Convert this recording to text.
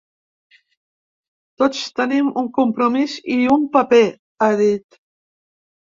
Tots tenim un compromís i un paper, ha dit.